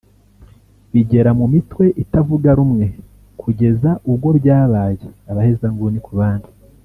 bigera mu mitwe itavuga rumwe kugeza ubwo byabaye abahezanguni ku bandi